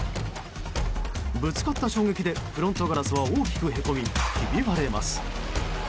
ぶつかった衝撃でフロントガラスは大きくへこみひび割れます。